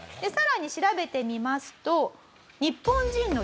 さらに調べてみますと。